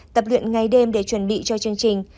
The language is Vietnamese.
tập luyện ngày đêm để chuẩn bị cho chương trình